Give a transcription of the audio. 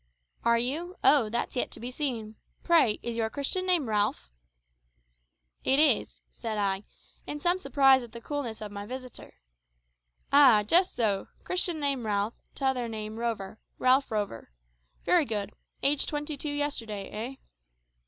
"Are you? oh, that's yet to be seen! Pray, is your Christian name Ralph?" "It is," said I, in some surprise at the coolness of my visitor. "Ah! just so. Christian name Ralph, t'other name Rover Ralph Rover. Very good. Age twenty two yesterday, eh?"